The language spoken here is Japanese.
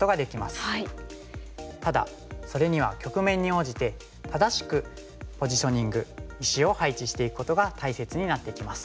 ただそれには局面に応じて正しくポジショニング石を配置していくことが大切になってきます。